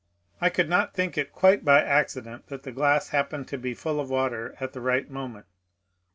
I could not think it quite by accident that the glass happened to be full of water at the right moment.